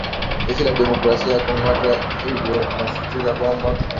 Jeshi la Demokrasia ya Kongo hata hivyo linasisitiza kwamba